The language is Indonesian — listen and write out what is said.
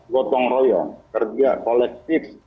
gotong royong kerja kolektif